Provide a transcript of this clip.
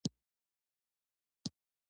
ښځه د مثبت فکر څښتنه ده.